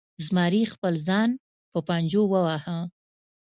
زمري خپل ځان په پنجو وواهه.